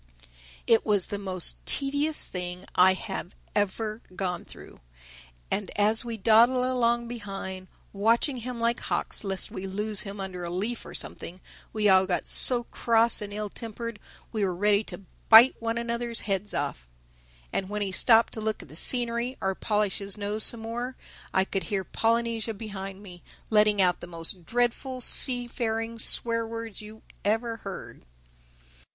It was the most tedious thing I have ever gone through. And as we dawdled along behind, watching him like hawks lest we lose him under a leaf or something, we all got so cross and ill tempered we were ready to bite one another's heads off. And when he stopped to look at the scenery or polish his nose some more, I could hear Polynesia behind me letting out the most dreadful seafaring swear words you ever heard.